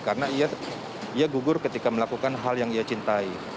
karena ia gugur ketika melakukan hal yang ia cintai